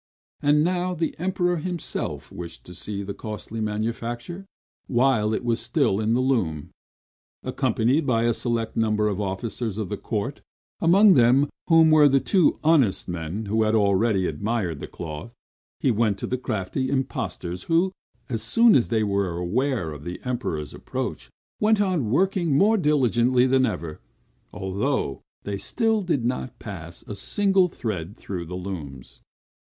And now the Emperor himself wished to see the costly manufacture, while it was still in the loom. Accompanied by a select number of officers of the court, among whom were the two honest men who had already admired the cloth, he went to the crafty impostors, who, as soon as they were aware of the Emperor's approach, went on working more diligently than ever; although they still did not pass a single thread through the looms.